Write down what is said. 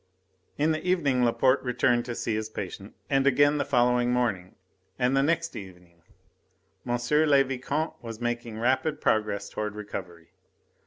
In the evening Laporte returned to see his patient, and again the following morning, and the next evening. M. le Vicomte was making rapid progress towards recovery.